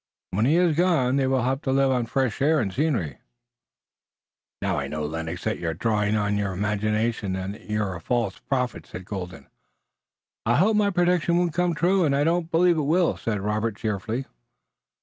When he is gone they will have to live on fresh air and scenery." "Now I know Lennox that you're drawing on your imagination and that you're a false prophet," said Colden. "I hope my prediction won't come true, and I don't believe it will," said Robert cheerfully.